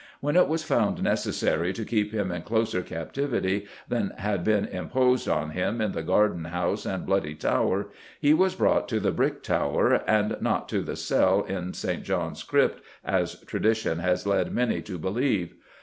When it was found necessary to keep him in closer captivity than had been imposed on him in the Garden House and Bloody Tower, he was brought to the Brick Tower, and not to the cell in St. John's crypt, as tradition has led many to believe.